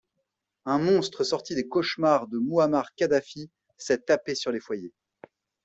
Un monstre sorti des cauchemars de Mouammar Kadhafi sait taper sur les foyers.